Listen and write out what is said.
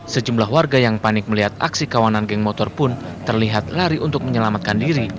sejumlah warga yang panik melihat aksi kawanan geng motor pun terlihat lari untuk menyelamatkan diri